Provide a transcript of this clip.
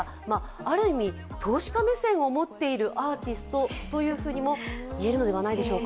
ある意味、投資家目線を持っているアーティストとも言えるのではないでしょうか。